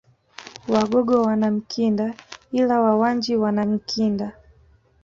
Wagogo wana Mkinda ila Wawanji wana Nkinda